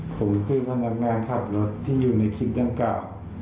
ผมคือพนักงานขับรถที่อยู่ในคลิปดังกล่าว